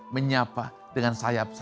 menyapa dengan sayap perutnya